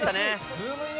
ズームイン！！